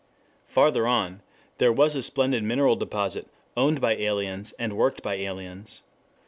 Farther on there was a splendid mineral deposit owned by aliens and worked by aliens.